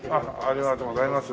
ありがとうございます。